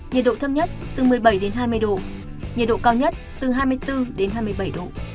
nhiệt độ thấp nhất từ một mươi bảy đến hai mươi độ nhiệt độ cao nhất từ hai mươi bốn đến hai mươi bảy độ